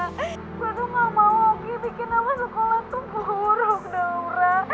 gue tuh nggak mau oki bikin nama sekolah itu buruk naura